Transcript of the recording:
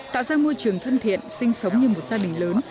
tạo ra môi trường thân thiện sinh sống như một gia đình lớn